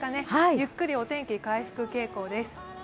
ゆっくりお天気、回復傾向です。